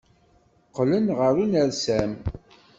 Qqlen ɣer unersam.